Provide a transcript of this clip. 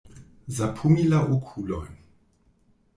Sapumi la okulojn.